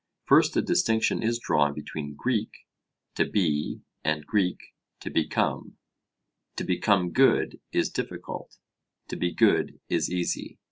First a distinction is drawn between (Greek) to be, and (Greek) to become: to become good is difficult; to be good is easy.